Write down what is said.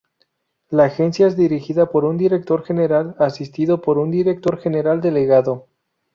La agencia es dirigida por un Director general asistido por un Director General Delegado.